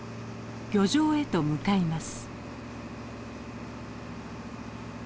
漁場へと向かいます。